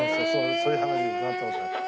そういう話になった事がある。